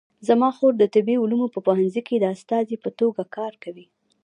زما خور د طبي علومو په پوهنځي کې د استادې په توګه کار کوي